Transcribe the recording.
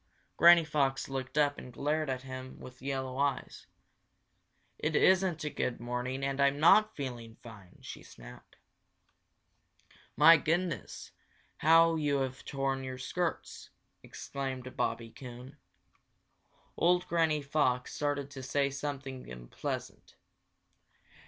Granny Fox looked up and glared at him with yellow eyes. "It isn't a good morning and I'm not feeling fine!" she snapped. "My goodness, how you have torn your skirts!" exclaimed Bobby Coon. Old Granny Fox started to say something unpleasant.